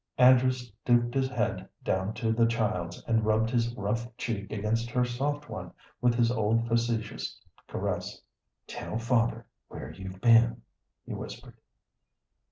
Andrew stooped his head down to the child's, and rubbed his rough cheek against her soft one, with his old facetious caress. "Tell father where you've been," he whispered.